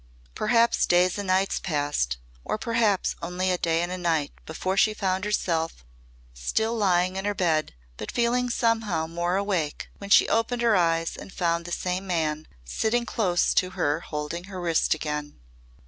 Perhaps days and nights passed or perhaps only one day and night before she found herself still lying in her bed but feeling somehow more awake when she opened her eyes and found the same man sitting close to her holding her wrist again.